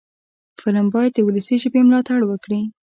فلم باید د ولسي ژبې ملاتړ وکړي